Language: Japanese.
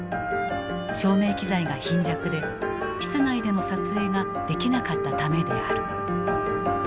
照明機材が貧弱で室内での撮影ができなかったためである。